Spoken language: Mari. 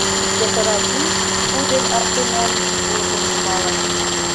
Йытыра пий — пудель Артемон булкым нумалын.